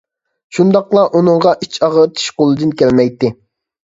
شۇنداقلا ئۇنىڭغا ئىچ ئاغرىتىش قولىدىن كەلمەيتتى.